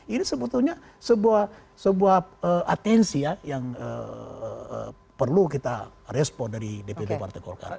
ini sebetulnya sebuah atensi ya yang perlu kita respon dari dpp partai golkar